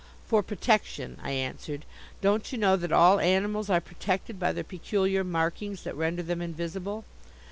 "For protection," I answered. "Don't you know that all animals are protected by their peculiar markings that render them invisible?